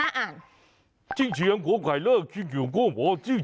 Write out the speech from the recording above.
ภาษาจีนให้คุณชนะอ่าน